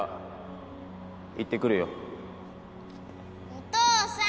お父さん